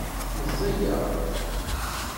Meẓẓiyeɣ.